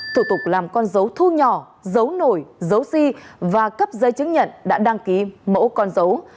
thủ tục làm con dấu thu nhỏ dấu nổi dấu si và cấp giấy chứng nhận đã đăng ký mẫu con dấu